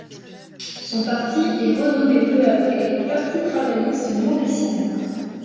Son parti est renommé peu après Parti travailliste mauricien.